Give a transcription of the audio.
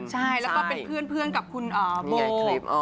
ใช่แล้วก็เป็นเพื่อนกับคุณโบคลิป